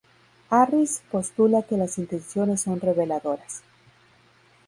Harris postula que las intenciones son reveladoras.